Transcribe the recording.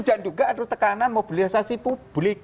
dan juga ada tekanan mobilisasi publik